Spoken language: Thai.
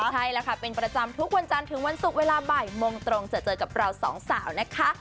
ใช่แล้วค่ะเป็นประจำทุกวันจันทร์ถึงวันศุกร์เวลาบ่ายโมงตรงจะเจอกับเราสองสาวนะคะ